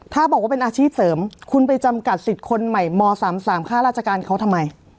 ถ้าบอกว่าเป็นอาชีพเสริมคุณไปจำกัดสิทธิ์คนใหม่ม๓๓ค่าราชการเขาทำไม